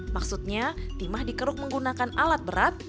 maksudnya timah dikeruk menggunakan alat berat